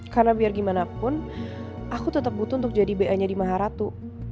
karena biar gimana pun aku tetep butuh untuk jadi b a nya di maharatu